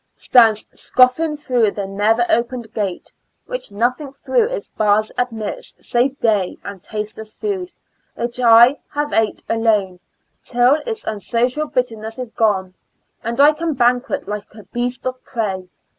Stands scoffing through the never opened gate, Which nothing through its bars admits save day And tasteless food, which I have eat alone, Till its unsocial bitterness is gone ; And I can banquet like a beast of prey.